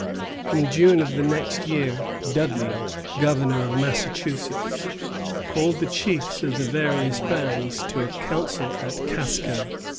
In June of the next year Dudley, governor of Massachusetts, called the chiefs of the various bands to a council at Casco.